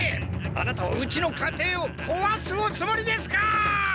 アナタはうちの家庭をこわすおつもりですか！？